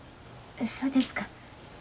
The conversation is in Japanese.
そうですか。